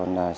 đầu tư thêm